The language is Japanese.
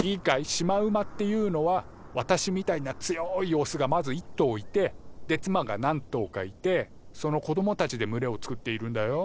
シマウマっていうのは私みたいな強いオスがまず一頭いてで妻が何頭かいてその子どもたちで群れを作っているんだよ。